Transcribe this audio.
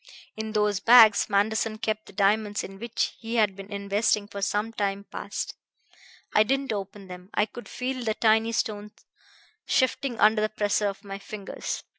In those bags Manderson kept the diamonds in which he had been investing for some time past. I didn't open them; I could feel the tiny stones shifting under the pressure of my fingers.